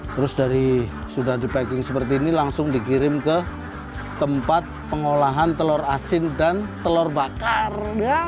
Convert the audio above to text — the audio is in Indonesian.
terus dari sudah dipacking seperti ini langsung dikirim ke tempat pengolahan telur asin dan telur bakar